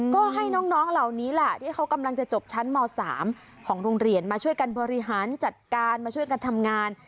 ก็ให้น้องเหล่านี้แหละที่เขากำลังจะจบชั้นม๓ของโรงเรียนมาช่วยกันบริหารจัดการมาช่วยกันทำงาน